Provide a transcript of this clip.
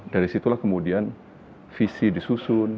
dari situlah kemudian visi disusul